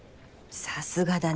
さすがだね。